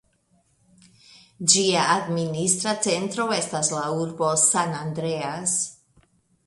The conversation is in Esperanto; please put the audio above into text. Ĝia administra centro estas la urbo San Andreas.